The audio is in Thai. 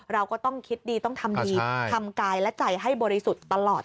เราก็ต้องคิดดีต้องทำดีทำกายและใจให้บริสุทธิ์ตลอด